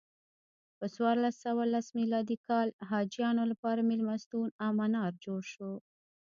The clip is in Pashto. په څوارلس سوه لسم میلادي کال حاجیانو لپاره میلمستون او منار جوړ شو.